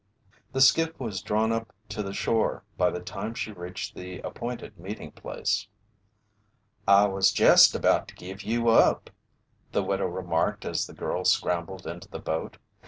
The skiff was drawn up to shore by the time she reached the appointed meeting place. "I was jest about to give you up," the widow remarked as the girl scrambled into the boat.